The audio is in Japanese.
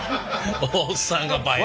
おっさんが映え。